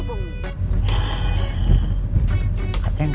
kenapa tidak bisa